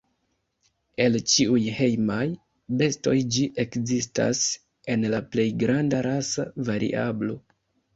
El ĉiuj hejmaj bestoj ĝi ekzistas en la plej granda rasa variablo.